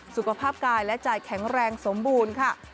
สุขภาพกายและใจแข็งแรงสมบูรณ์ค่ะ